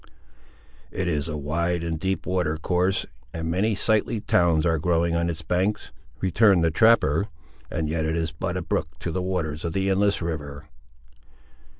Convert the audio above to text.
"It is a wide and deep water course, and many sightly towns are there growing on its banks," returned the trapper; "and yet it is but a brook to the waters of the endless river."